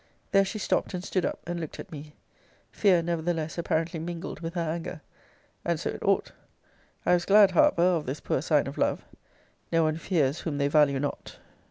There she stopt; and stood up, and looked at me; fear, nevertheless, apparently mingled with her anger. And so it ought. I was glad, however, of this poor sign of love; no one fears whom they value not.